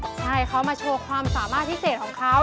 ใช่เขามาโชว์ความสามารถพิเศษของเขา